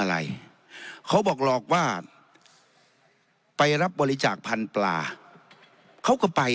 อะไรเขาบอกหลอกว่าไปรับบริจาคพันธุ์ปลาเขาก็ไป